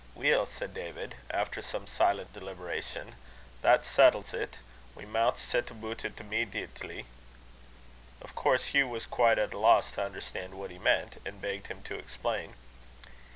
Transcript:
"Weel," said David, after some silent deliberation, "that sattles't; we maun set aboot it immedantly." Of course Hugh was quite at a loss to understand what he meant, and begged him to explain.